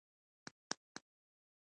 پوهنيار، پوهنمل، رنځورمل، رنځوریار.